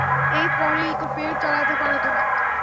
এ করেই তো পেট চালাতে পারো তুমি।